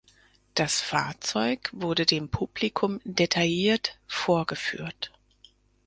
Das Fahrzeug wurde dem Publikum detailliert vorgeführt.